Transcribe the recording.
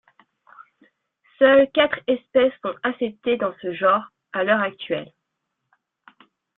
Seules quatre espèces sont acceptées dans ce genre à l'heure actuelle.